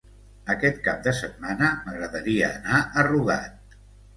Aquest cap de setmana m'agradaria anar a Rugat.